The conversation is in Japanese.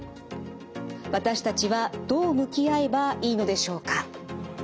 私たちはどう向き合えばいいのでしょうか？